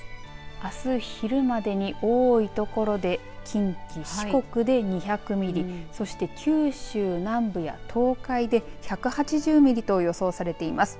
あす昼までに多い所で近畿、四国で２００ミリそして、九州南部や東海で１８０ミリと予想されています。